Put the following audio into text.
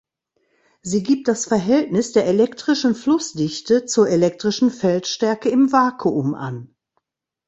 Sie gibt das Verhältnis der elektrischen Flussdichte zur elektrischen Feldstärke im Vakuum an.